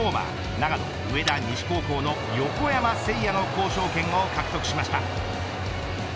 長野上田西高校の横山聖哉の交渉権を獲得しました。